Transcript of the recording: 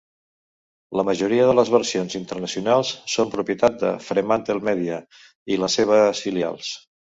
La majoria de les versions internacionals són propietat de FremantleMedia i les seves filials.